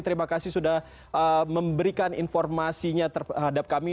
terima kasih sudah memberikan informasinya terhadap kami